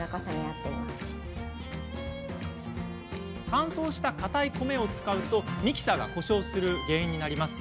乾燥した、かたい米を使うとミキサーが故障する原因になります。